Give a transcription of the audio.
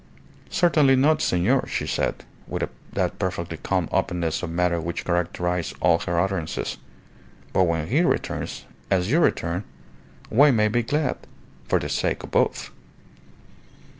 "Certainly not, senor," she said, with that perfectly calm openness of manner which characterized all her utterances. "But when he returns, as you return, one may be glad for the sake of both."